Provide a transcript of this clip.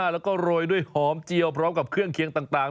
แล้วก็โรยด้วยหอมเจียวพร้อมกับเครื่องเคียงต่าง